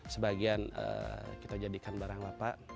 sebagian kita jadikan barang lapak